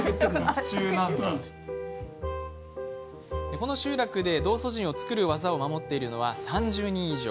この集落で、道祖神を作る技を守っているのは３０人以上。